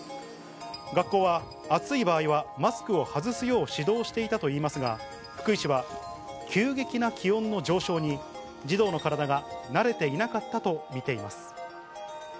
学校は暑い場合はマスクを外すよう指導していたといいますが、福井市は、急激な気温の上昇に児童の体が慣れていなかったと見ています。